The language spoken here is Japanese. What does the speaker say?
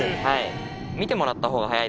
はい。